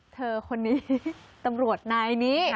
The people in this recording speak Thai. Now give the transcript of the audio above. เธอคนนี้ตำรวจนายนี้